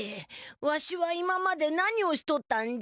わしは今まで何をしとったんじゃ？